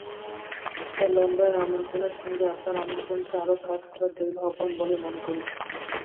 তাই লণ্ডনের আমন্ত্রণের সঙ্গে আপনার আমন্ত্রণকে আরও কাজ করার দৈব আহ্বান বলেই মনে করি।